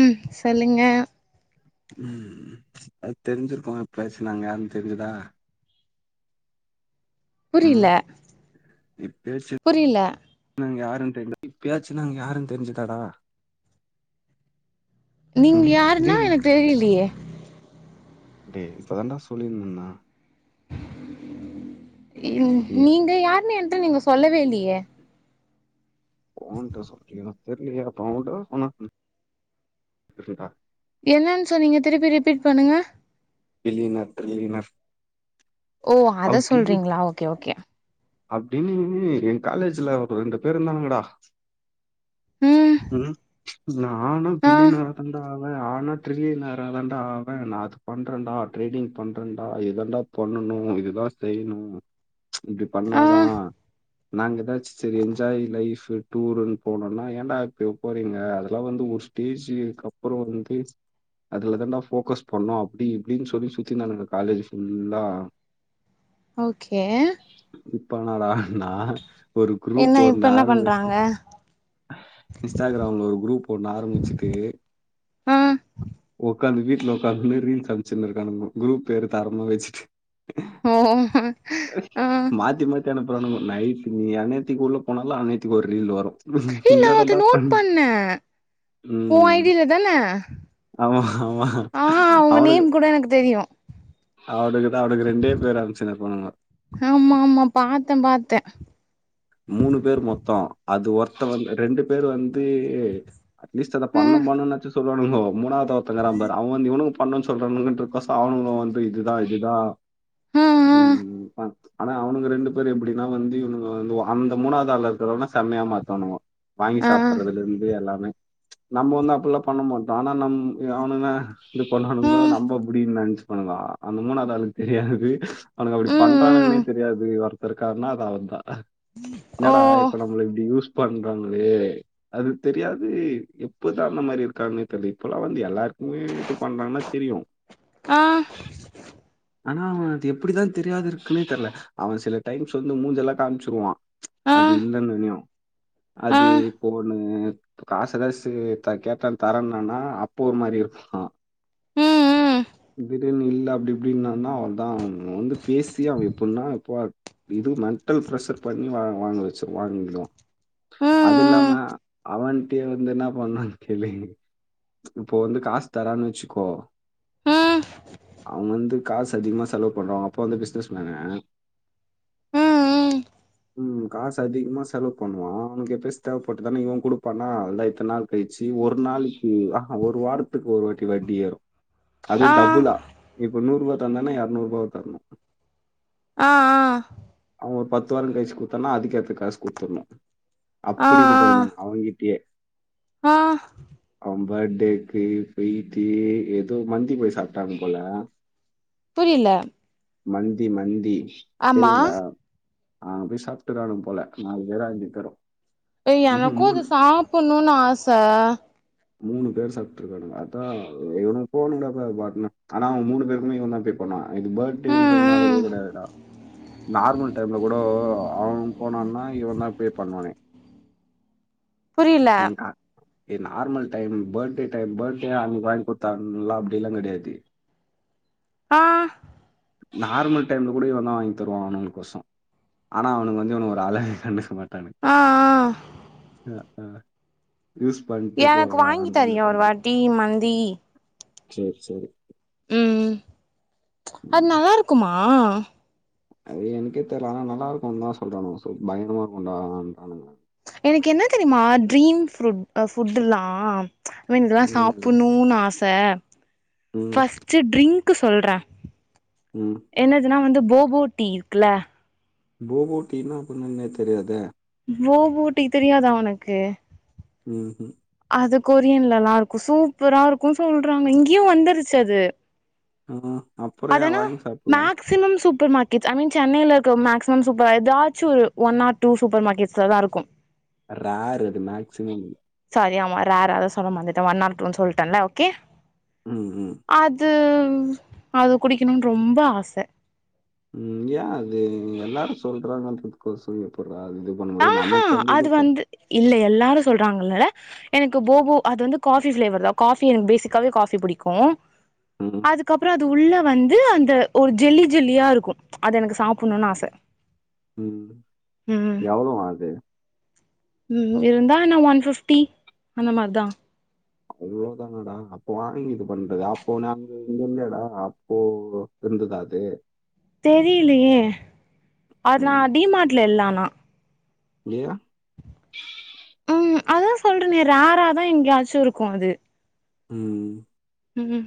ம் சொல்லுங்க ம் அது தெரிஞ்சிரிக்கும் பேசுனாங்க யாருன் தெரியுதா புரில ம் இப்பயாச்சு புரில நாங்க யாருன் தெரிஞ்சா இப்பயாச்சு நாங்க யாருன் தெரிஞ்சுதாடா நீங்க ம் யாருன்னா டேய் எனக் தெரிலியே டே இப்ப தான்டா சொல்லின் இருந்தா ம் இங்க நீங்க யாருன்னு என்ட்ட நீங்க சொல்லவே இல் ஊன்ட்ட சொல்லயா தெர்லியே அவ உன் கிட்ட தா சொன்னா புரிதா என்னன் சொன்னீங்க திருப்பி ரிப்பீட் பண்ணுங்க கிலினர் கிலினர் ஓ அத சொல்றீங்ளா ஓகே ஓகே அப்டின் சொல்லி என் காலேஜ்ல ஒரு ரெண்டு பேர் இருந்தானுங்கடா ம் நானும் ஆ கிளீனர் தான்டா ஆனா த்ரிய நேர தாண்டா அவ நா அது பண்றேண்டா ட்ரேடிங் பண்றேண்டா இதாண்டா பண்ணணு இதுதா செய்யணு இப்டி ஆ பண்ணாதா நாங்க எதாச்சு செரி என்ஜாய் லைஃப்பு டூரூன் போனோன்னா ஏன்டா இப்ப போறீங்க அதெல்லா வந்து ஒரு ஸ்டேஜுக்கு அப்புறம் வந்து அதுல தான்டா ஃபோக்கஸ் பண்ணு அப்டி இப்டின் சொல்லி சுத்திந்தானுங்க காலேஜ்ஜி ஃபுல்லா ஓகே இப்ப என்னடானா ஒரு என்ன குரூப் இப்ப ஒன்னு என்ன பண்றாங்க ஆரம்பிஷ்ட்டு இன்ஸ்டாகிராம்ல ஒரு குரூப் ஒன்னு ஆரம்பிச்சுட்டு ஆ ஓ ஒக்காந்து வீட்ல ஒக்காந்து ரீல்ஸ் அமிச்சுனு இருக்கானுங்கோ குரூப் பேரு தரமா வெச்சுட்டு ஆ மாத்தி மாத்தி அனுப்புரானுங்கோ நைட் நீ எந்நேர்த்திக்கு உள்ள போனாலும் அந்நேர்த்திக்கு ஒரு ரீல் வரும் என்ன தான்டா பண்ணு உன் ஐடியில தான ஆமா ஆமா ஆ உங்க அவனுங்க நேம் கூட எனக்கு தெரியு அவனுங்கதா அவனுங்க ரெண்டே பேர் அனுப்ச்சுனுருப்பானுங்க ஆமா ஆமா பாத்தே பாத்தே மூணு பேர் மொத்தம் அது ஒருத்த வந்து ரெண்டு பேரு வந்து அட்லீஸ்ட் அத ஆ பண்ண பண்ணுனாச்ச சொல்லுவானுங்க மூணாவ்து ஒருத்தவங்கிறாம்பாரு அவ வந்து இவனுக் பண்ணு சொல்றானுங்ருக்கோசு அவனுங்களும் வந்து இதுதா இதுதா ஆ ஆ ம் ஆனா அவனுங்க ரெண்டு பேர் எப்டின்னா வந்து இவனுங்க வந்து அந்த மூணாவ்தாள்ல இருக்கிறவனா செம்மையா மாத்துவானுங்க வாங்கி ஆ சாப்பிறதுல இருந்து எல்லாமே நம்ம வந்து அப்பில்லா பண்ண மாட் ஆனா நம் அவனுங்க இது ஆ பண்ணுவானுங்கோ நம்ம அப்டின் நெனைச் வானுங்கோ அந்த மூனாது ஆளுக்கு தெரியாது அவனுங்க அப்டி ம் பண்றானுங்கன்னே ம் தெரியாது இருக்கார்னா அது அவர் தா ஓ என்னடா இப்ப நம்ள இப்டி யூஸ் பண்றாங்களே அது தெரியாது எப்பதா அந்த மாரி இருக்கானே தெர்ல இப்பல்லா வந்து எல்லாருக்குமே இது பண்றாங்கன்னா தெரியு ஆ ஆனா அவ அது எப்டிதா தெரியாது இருக்குன்னே தெர்ல அவன் சில டைம்ஸ் வந்து மூஞ்செல்லா காமிச்சுருவா ஆ அது இல்லைன்னனு ஆ அது இப்போ அ காசு ஏதாது சு கேட்டா தராேன்னானா அப்போ ஒரு மாரி இருக்கா ம் ம் திடீர்னு இல்ல அப்டி அப்டின்னா தா அவன்தா அவ வந்து பேசி அவ எப்பின்னா எப்ப இது மென்டல் ப்ரெஷர் பண்ணி வா வாங்க வச்சு வாங்கிடுவா அது இல்லாம ம் அவன்ட்டயு வந்து என்ன பண்ணானு கேளு இப்போ வந்து காசு தரான் வச்சுக்கோ ம் ம் அவ வந்து காசு அதிகமா செலவு பண்ணுவா அப்பா வந்து பிசினஸ் மேனு ம் ம் ம் காசு அதிகமா செலவு பண்ணுவா அவனுக்கு எப்பயு தேவைப்பட்டுதானா இவ குடுப்பானா அதா எத்தன நாள் கழிச்சு ஒரு நாள் ம் ஆஹா ஒரு வாரத்துக்கு ஒரு வாட்டி வட்டி ஏறு அதுவு ஆ டபுள்ளா இப்ப நூற் ரூபா தந்தானா எரநூற் ரூபா தரணு ஆ ஆ அவ ஒரு பத்து வாரோ கழிசு குடுத்தான்னா அதுக்கேத்த காசு குடுத்துர்ணு ஆ அப்படின் போயிருந்தாங்க அவங்கிட்டயே ஆ அவ பர்த்டேக்கு போய்ட்டு ஏதோ மந்தி போய் சாப்ட்டாங்க போல புரில நந்தி நந்தி ஆமா தெரியுங்ளா ஆ அது சாஃப்ட்டா தா ஆடுவா போல நாளைக்கு வேற எங்கிருக்காறோ ஏ எனக்கு அது சாப்புணுனு ஆச மூணு பேர் சாப்ட்ருக்கானுங்க அதா என் போலில அது அதா ஆனா மூணு ரெண்டு பேருக்குமே இவன்தா க்ளீயர் பண்ணா இது ம் பர்த்டடேன்றதுனால ம் கூட கெடயாதுடா நார்மல் டைம்ல் கூடோ அவ போனான்னா இவன் தா பே பண்ணுவானே புரியல என்க்கா ஏ normal time birthday time birthday அவனுக் வாங்கி குடுத்தான்ல்லா அப்டில்லாங் கெடயாது ஆ நார்மல் டைம்ல கூட இவன் தா வாங்கி தருவா அவனுக்கோசோ ஆனா அவனுக்கு வந்து இவ ஒரு ஆளாவே கண்டுக்க மாட் பண்ணுங்க ஆ ஆ அ அ யூஸ் பண் எனக்கு வாங்கி தரியா ஒரு வாட்டி மந்தி சேரி சேரி ம்ம் அது நல்லா இருக்குமா அது எனக்கே தெர்ல ஆனா நல்லா இருக்குன் தா சொல்றானுவே சோ பயங்கரமா இருக்குண்டானுங்க எனக்கு என்ன தெரியுமா ட்ரீம் ஃப்ரூட் அ ஃபுட்டுல்லா அ இதெல்லா ம் அதா சாப்பிட்ணுனு ஆச ம் ஃபஸ்ட் ட்ரிங்க்கு சொல்றே ம் என்னதுன்னா வந்து போகோட்டி இருக்குல போகோட்டினா அப்பின்னா என்னன் தெரியாதே போகோட்டீ தெரியாதா உனக்கு ம் ம் அது கொரியன்லல்லா இருக்கு சூப்பரா இருக்கு சொல்றாங்க இங்கயு வந்துருச்சு அது ஆ அப் அது ஆனா max maximum super market I mean சென்னையில இருக்க மேக்ஸிமம் சூப்பர் எதாச்சு ஒன் ஆர் டூ சூப்பர் மார்கெட்ஸ்சா தா இருக்கு [inaudible] ரேர் அது மேக்சிமம் சாரி ஆமா ரேர் அத சொல்ல மாறந்துட்டே ஒன் ஆர் டூனு சொல்ட்டேல ஓகே ம் ம் அது அது குடிக்கணுனு ரொம்ப ஆச ம் ஏ அது எல்லாரு சொல்றாங்கன் இதுகோசோன் எப்புட்றா இது பண்ண முடியு ஆஹா நமக்கு அது இது பண் வந்து இல்ல எல்லாரு சொல்றாங்கல எனக்கு போபு அது வந்து காஃபி பிளேவர் தா காஃபி எனக்கு பேசிக்காவே காஃபி பிடிக்கு ம் அதுக்கப்றோ அது உள்ள வந்து அந்த ஒரு ஜெல்லி ஜெல்லியா இருக்கு அது எனக்கு சாப்புணுனு ஆச ம் ம் எவ்ளோவா அது ம் இருந்தா என்ன ஒன் ஃபிப்டி அந்த மாரி தா அவ்ளோதானடா அப்ப வாங்கி இது பண்றது அப்போ நாங்க இங்க இல்லடா அப்போ இருந்ததா அது தெரிலையே அதுலா ம் டிமார்ட்ல இல்ல ஆனா ஏ ம் அதா சொல்றனே ரேரா தா எங்கயாச்சு இருக்கு அது ம் ம்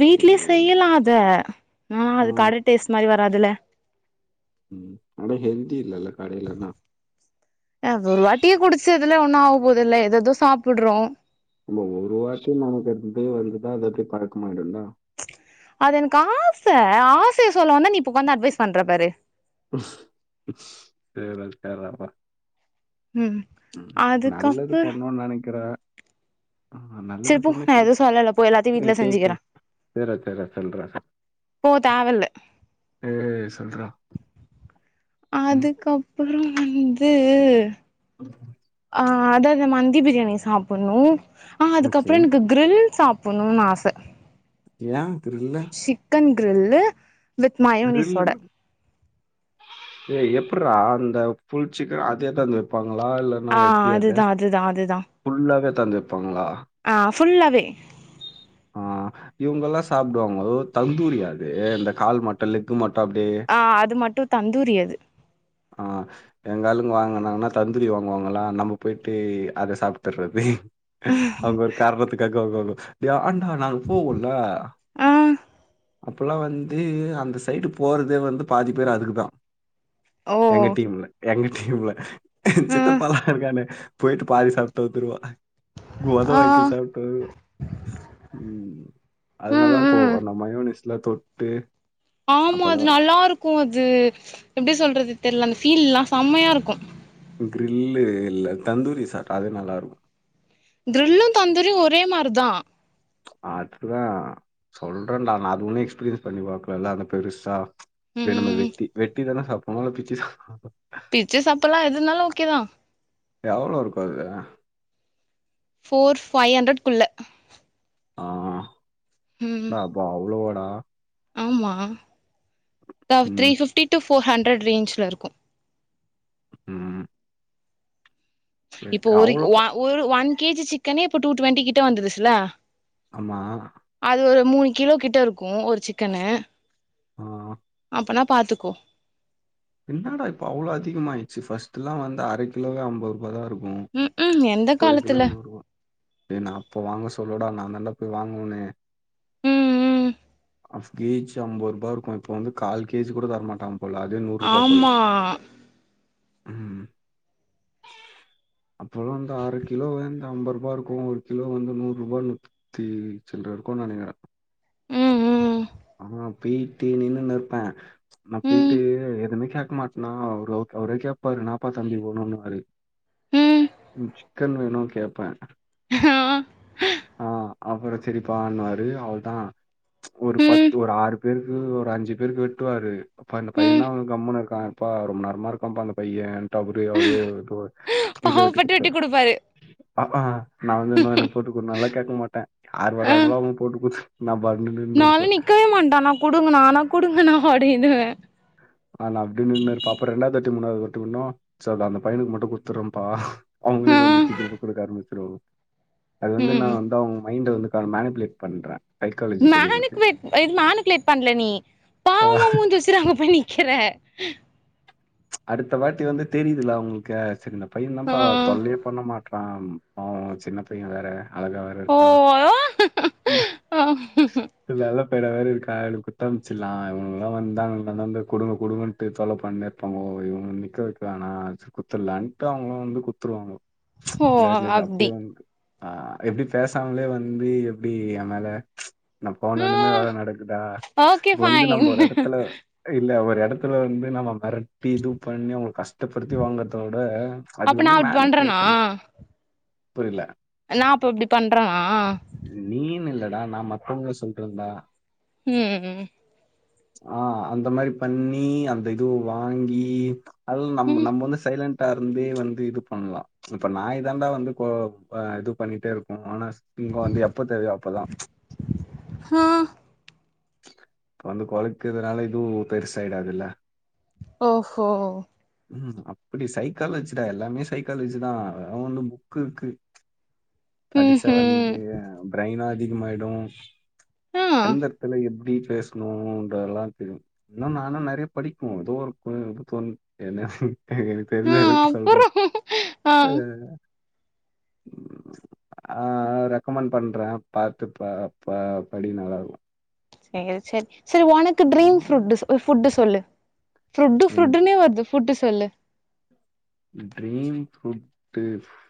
வீட்லே சேரி செய்யலா அத அ ஆ அது கரெக்ட் டேஸ்ட் மாரி வராதுல்ல ம் ஆனா ஹெல்தி இல்லல்ல கடைலனா அ அது ஒரு வாட்டியே குடிச்சதில்ல ஒன்னு ஆவ போதல்ல எதேதோ சாப்புட்றோ நம ஒரு வாட்டி நமக்கு அப்டியே வந்துட்ட அதப்படியே பழக்கமாய்டுல்ல அது எனக்கு ஆச ஆசைய சொல்ல வந்தா நீ இப்போ உக்காந்து அட்வைஸ் பண்ற பாரு சேர்ரா சேர்ராப்பா ம் நல்லது அதுக்கப்புறோ பண்ணுன் நனைக்கிறே ஆ நல்லது சரி போ பண்ணா நா புடிக் எதுவு சொல்லல போ எல்லாத்தையு சேரி வீட்ல சேரி சேரி செஞ்சுக்கிறே சேர்ரா சேர்ரா சொல்றா போ தேவ இல்ல ஏ சொல்றா ம் அதுக்கப்றோ வந்து ஆ ஆ அதா அந்த மந்தி பிரியாணி சாப்புன்ணு ஆ ஓகே அதுக்கப்றோ எனக்கு க்ரில் சாப்புணுனு ஆச ஏ இப்டி இல்ல சிக்கன் க்ரில்லு க்ரில்லுனா ஏ எப்புறா அந்த ஃபுல் சிக்கன் அது எத்தாந்து வப்பாங்களா இல்ல நா ஆ எப்டி அது அதுதா அதுதா அதுதா ஃபுல்லாவே எத்தாந்து வப்பாங்களா ஆ ஃபுல்லாவே ஆ இவங்கெல்லா சாப்டுவாங்கோ தந்தூரியா அது இந்த கால் மட்டு லெக்கு மட்டு அப்டியே ஆ அது மட்டு தந்தூரி அது ஆ எங்க ஆளுங்க வாங்குனாங்கன்னா தந்தூரி வாங்குவாங்களா நம்ம பொயிட்டு அத சாப்ட்றது அவங்க ஒரு காரணத்துக்காக வ வ ஏன்டா நாங்க வப்போம்மல ஆ அப்பெல்லா வந்து அந்த சைடு போறதே வந்து பாதி பேர் அதுக்கு தா ஓ எங்க டீம்ல எங்க டீம்ல ஆ சித்தப்பாலா இருக்கானே போய்ட்டு பாதி சாப்ட்டு வந்துருவா மொத ஆ வாய்க்கி சாப்ட்டு வருவா ம் அது நல்லா ம் இருக்கு ம் அந்த மயோனிஸ்லா தொட்டு ஆமா அது அப்பதான் நல்லா இருக்கு அது எப்டி சொல்றது தெர்ல அந்த ஃபீல்லா செம்மையா இருக்கு க்ரில்லு இல்ல தந்தூரி சாப்ட அது நல்லாருக்கு கிரில்லு தந்தூரியு ஒரே மாரிதா அதுதா சொல்றேன்டா நா அது ஒன்னு எக்ஸ்பீரியன்ஸ் பண்ணி பாக்கலல்ல அந்த பெருசா இத நம்ம ம் வெட்டி வெட்டிதான சாப்பட்னு இல்ல பிச்சு சாப் பிச்சு சாப்பல்லா எதுனாலு ஓகேதா எவளோ இருக்கு அது ஃபோர் ஃபைவ் ஹண்ரட்க்குள்ள ஆ ம் டா அப்பா அவ்ளோவாடா ஆமா த த்ரீ ம் ஃபிஃப்டி டு ஃபோர் ஹண்ரட் ரேஞ்சுல இருக்கு ம் சேரி இப்போ சேரி ஒரு அவ்ளோ ஒ ஒரு ஒன் கே ஜி சிக்கனே இப்ப டூ டுவெண்டிகிட்ட வந்துருச்சுல ஆமா அது ஒரு மூணு கிலோ கிட்ட இருக்கு ஒரு சிக்கனு ஆ அப்பனா பாத்துக்கோ என்னடா இப்ப அவ்ளோ அதிகமாய்ச்சு ஃபஸ்ட்டுல்லா வந்து அர கிலோவே அம்பது ரூபாதா இருக் ம் ம் எந்த ஒரு கிலோ காலத்துல நூறுவா டே நா அப்ப வாங்க சொல்லடா நா தண்டா போய் வாங்குவனே ம் ம் ஆஃப் கே ஜி அம்பது ரூபா இருக்கு இப்ப வந்து கால் கே ஜிகூட தரமாட்டாங் இப்பலா அதே நூ ஆம்மா ம் அப்போல்லா வந்து அரை கிலோ வந்து ஐம்பது ரூபா இருக்கும் ஒரு கிலோ வந்து நூறு ரூபா நூத்தி சில்ர இருக்கு நினக்கிற உம் உம் ஆஹ் போயிட்டு நீன்னு இருப்ப நா போயிட்டு ம் எதுமே கேக்க மாட்ட நா அவரை கேப்பாரு எங்கப்பா தம்பி போகணும்ன்னு மாரு ம் சிக்கன் வேணும் கேப்ப ஆ ஆஹ் அப்புறம் சரிப்பாண்ணுவாரு அவளதா ஒரு ம் பத்து ஒரு ஆறு பேருக்கு ஒரு அஞ்சு பேருக்கு வெட்டுவாரு அப்ப அந்த ம் பையதா அவுங்க கம்முன்னு இருக்கா அப்பா ரொம்ப நேரமா இருக்கான்ப்பா அந்த பைய டு அப்டி அவரே வெட்டுவாரு வீட்ல வெட்டி பாவப்பட்டு குத்துருவாரு குடுப்பாரு பாப்பா நா வந்து இன்னோ எனக் போட்டுக்குடுனாலா கேக்க மாட்ட யாரு ஆ வாரங்களோ அவுங்க போட்டு குடுத்து நா பாட்டு நின்னு இருப்பே க்கவே மாட்டா அண்ணா குடுங்கண்ணா அண்ணா குடுங்கண்ணா அப்டினுவே ஆ நா அப்டி நின்னுருப்ப அப்புறோ ரெண்டாதுவாட்டி மூணாதுவாட்டி இன்னு சோ இப்ப அந்த பையனுக்கு மட்டு குத்துறப்பா அவுங்களே ஆ கொஞ்சோ சீக்கரமா குடுக்க ஆரம்பிச்சிருவாங்க அது வந்து நா ம் வந்து அவுங்க மைண்ட வந்து மேனிப்புலேட் பண்றே மேனுப்ளேட் இது மேனுபிளேட் பண்ல நீயி பாவமா ஆஹ் மூஞ்ச வெச்சிட்டு அங்க போய் நிக்கற அடுத்த வாட்டி வந்து தெரிதுல்ல அவுங்குளுக்கே செரி இந்த பைய ஆ என்னப்பா தொல்லையே பண்ண மாட் பாம் பாவோ சின்னப் பைய வேற அழகா வேற ஓ இருக்கறா வந்து ஆ அதுனால இப்பட வேற இருக்கா குத்தம்பிச்சலாம் இவங்கல்லாம் வந்தாங்க கொடுங்க கொடுங்கன்ட்டு சொல்ல மாட்ட அப்ப இவங்க நிக்க வைக்க வேணா குடுத்துரலான்ட்டு அவங்களும் வந்து குடுத்துருவாங்க ஓ அப்டி ஆஹ் எப்டி பேசாமலே வந்து எப்டி என்மேல ச் நா போன ஆ ஒனுமே வத நடக்குதா ஓகே இப்ப வந்து ஃபைன் நம்ம ஒரு எடத்துல இல்ல ஒரு இடத்துல வந்து நம்ம மிரட் எப்டி இது பண்ணி அவங்க கஷ்டப்படுத்தி வாங்கறதோட அது அப்ப நா வந்து அப்டி பண்றனா மேனிப்பேஷன் புரியல நா அப்ப இப்டி பண்றனா நீனு இல்லடா நா மத்தவங்கள சொல்றன்டா உம்ம் ஆஹ் அந்த மாதிரி பண்ணி அந்த இது வாங்கி அதும் நம் ம் நம்ம வந்து சைலன்ட் டா இருந்தே வந்து இது பண்ணுவா இப்ப நாய் தாண்டா வந்து் இப்போ இது பண்ணிட்டே இருக்கும் ஆனா இங்க வந்து எப்ப தேவயோ அப்பதா ஆஹ் இப்ப வந்து கொலைக்கிறதுனால இதுவும் பெருசய்டாதுல்ல ஓஹோ ம் அப்படி சைக்காலஜி தா எல்லாமே சைக்காலஜி தான் அவன் வந்து புக்கு இருக்கு பிளாங்க் கடிச்சா வந்து பிரெய்னும் அதிகமாயிடும் ஆ எந்த எடத்துல எப்டி பேசணும்ன்றதெல்லாம் தெரியும் இன்ன நானு நிறைய படிக்கும் ஏதோ இருக்கும்த தெ ஆ தெரிஞ்சா எதுக்கு சொல்ற அஹ பிளாங்க் ஆஹ் ரெக்கமென்ட் பண்ற பார்த்துப் பா படி நல்லா சரி சரி சரி உனக்கு ட்ரீம் ம் ஃபரட் ஃபுட்டு சொல்லு ஃப்ரட்டு ஃபுட்டு எனக்கு புட்டுன்னே வருது புட்டு சொல்லு ட்ரீம் ஃபுட்டு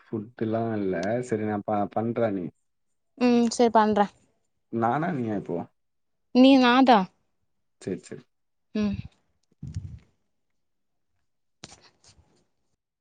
ஃபுட்ல்லா இல்ல சரி நா ப பண்றே நீ ம் சேர் பண்றே நானா நீயா இப்போ நீ நாதா சேர் சேர் ம்